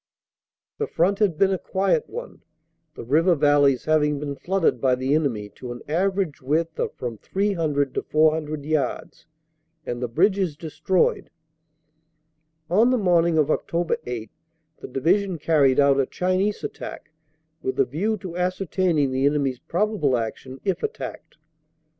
"The front had been a quiet one, the river valleys having been flooded by the enemy to an average width of from 300 to 400 yards, and the bridges destroyed. 332 CANADA S HUNDRED DAYS "On the morning of Oct. 8 the Division carried out a Chinese attack with a view to ascertaining the enemy s prob able action if attacked.